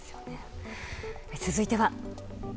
続いては。